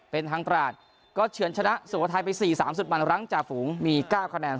เป็นทางตราดก็เฉินชนะสุโขทัยไป๔๓๐มันรั้งจ่าฝูงมี๙คะแนน